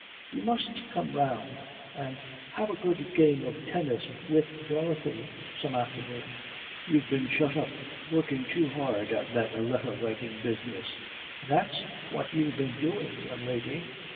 "You must come round and have a good game of tennis with Dorothy some afternoon. You've been shut up working too hard at that letter writing business, that's what you've been doing, young lady."